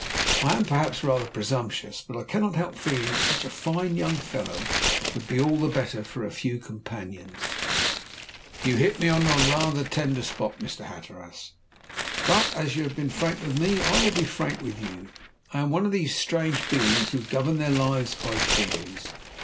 I am perhaps rather presumptuous, but I cannot help feeling that such a fine young fellow would be all the better for a few companions." "You hit me on rather a tender spot, Mr. Hatteras. But, as you have been frank with me, I will be frank with you. I am one of those strange beings who govern their lives by theories.